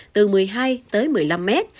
từ một mươi hai tới một mươi năm mét